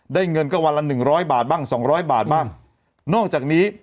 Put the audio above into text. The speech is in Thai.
เงินก็วันละหนึ่งร้อยบาทบ้างสองร้อยบาทบ้างนอกจากนี้